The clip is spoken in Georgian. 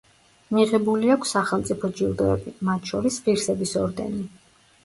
მიღებული აქვს სახელმწიფო ჯილდოები, მათ შორის ღირსების ორდენი.